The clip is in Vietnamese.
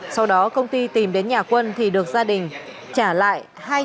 sau đó công ty tìm đến nhà quân thì được gia đình trả lại